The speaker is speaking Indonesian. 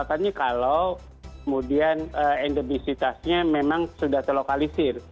katanya kalau kemudian endemisitasnya memang sudah terlokalisir